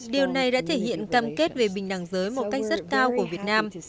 điều này đã thể hiện cam kết về bình đẳng giới một cách rất cao của việt nam